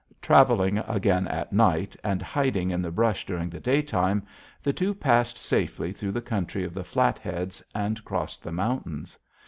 "Traveling again at night, and hiding in the brush during the daytime, the two passed safely through the country of the Flatheads, and crossed the mountains.